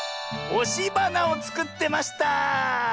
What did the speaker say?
おしばなをつくってました！